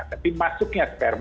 tapi masuknya sperma